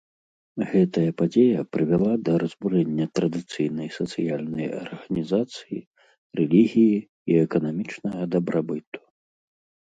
Гэтая падзея прывяла да разбурэння традыцыйнай сацыяльнай арганізацыі, рэлігіі і эканамічнага дабрабыту.